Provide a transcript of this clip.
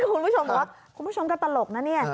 คุณผู้ชมบอกว่าคุณผู้ชมก็ตลกนะเนี่ย